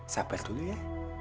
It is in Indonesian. sabar dulu ya